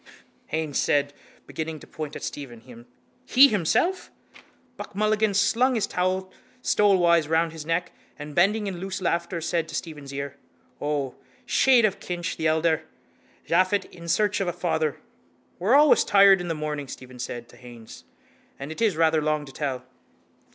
Haines said, beginning to point at Stephen. He himself? Buck Mulligan slung his towel stolewise round his neck and, bending in loose laughter, said to Stephen's ear: —O, shade of Kinch the elder! Japhet in search of a father! —We're always tired in the morning, Stephen said to Haines. And it is rather long to tell.